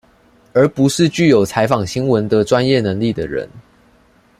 而不是具有採訪新聞的專業能力的人